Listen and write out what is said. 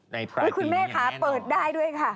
ในปรายภูมิอย่างแน่คุณเมฆคะเปิดได้ด้วยค่ะ